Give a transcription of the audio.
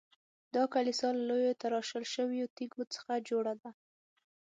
دا کلیسا له لویو تراشل شویو تیږو څخه جوړه ده.